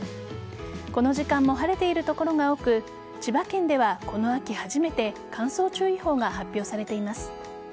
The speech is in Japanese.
この時間も晴れている所が多く千葉県では、この秋初めて乾燥注意報が発表されています。